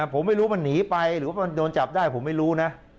ผมไม่รู้มันหนีไปหรือโดนจับได้ผมไม่รู้